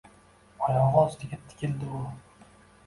Oyog’i ostiga tikildi u.